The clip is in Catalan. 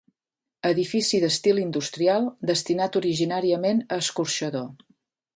Edifici d'estil industrial destinat originàriament a escorxador.